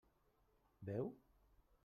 Veu?